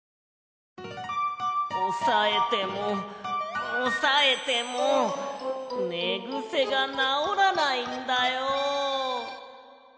おさえてもおさえてもねぐせがなおらないんだよ。